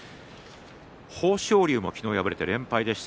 豊昇龍も昨日、敗れて連敗でした。